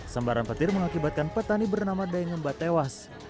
sembaran petir mengakibatkan petani bernama daeng hemba tewas